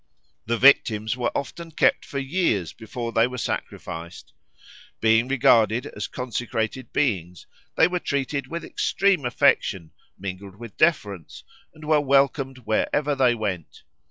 The victims were often kept for years before they were sacrificed. Being regarded as consecrated beings, they were treated with extreme affection, mingled with deference, and were welcomed wherever they went.